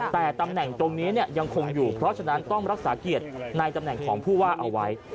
แต่ตำแหน่งตรงนี้ยังคงอยู่เพราะฉะนั้นต้องรักษาเกียรติในตำแหน่งของผู้ว่าเอาไว้